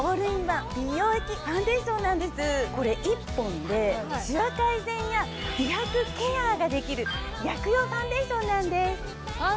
これ１本でしわ改善や美白ケアができる薬用ファンデーションなんです。